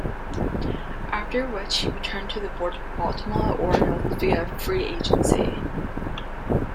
After which, he returned to the Baltimore Orioles via free agency.